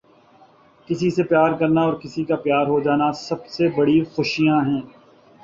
کسی سے پیار کرنا اور کسی کا پیار ہو جانا سب سے بڑی خوشیاں ہیں۔